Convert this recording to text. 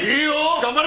頑張れ！